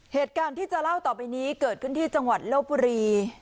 เหตุการณ์ที่จะเล่าต่อไปนี้เกิดขึ้นที่จังหวัดลบบุรี